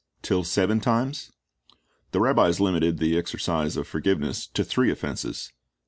till seven times?" The rabbis limited the exercise of forgiveness to three offenses.